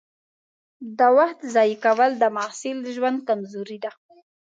د وخت ضایع کول د محصل ژوند کمزوري ده.